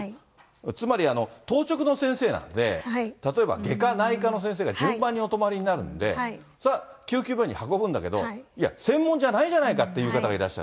つまり、当直の先生なんで、例えば外科、内科の先生が順番にお泊りになるんで、救急病院に運ぶんだけど、いや、専門じゃないじゃないかって言う方がいらっしゃる。